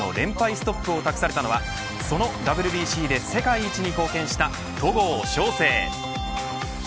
ストップを託されたのはそのＷＢＣで世界一に貢献した戸郷翔征。